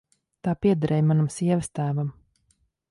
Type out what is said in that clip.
Tā piederēja manam sievastēvam.